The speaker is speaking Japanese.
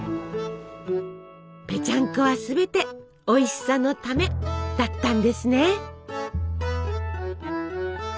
ぺちゃんこはすべておいしさのためだったんですね。